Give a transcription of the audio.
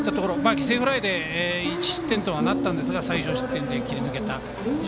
犠牲フライで１失点とはなりましたが最少失点で切り抜けた。